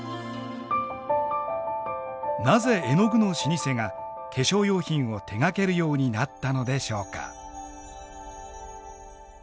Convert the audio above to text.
なぜ絵の具の老舗が化粧用品を手がけるようになったのでしょうか。